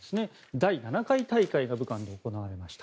第７回大会が武漢で行われました。